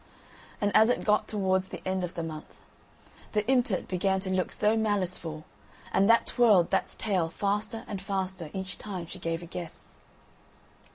And as it got towards the end of the month, the impet began to look so maliceful, and that twirled that's tail faster and faster each time she gave a guess.